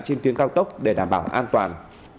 trên tuyến cao tốc để đảm bảo an toàn